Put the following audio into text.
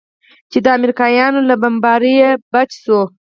چې د امريکايانو له بمبارۍ بچ سو.